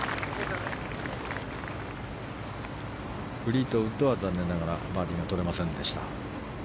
フリートウッドは残念ながらバーディーが取れませんでした。